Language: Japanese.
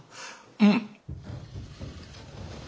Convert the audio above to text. うん。